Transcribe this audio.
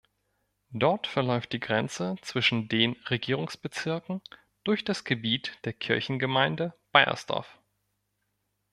Dort verläuft die Grenze zwischen den Regierungsbezirken durch das Gebiet der Kirchengemeinde Baiersdorf.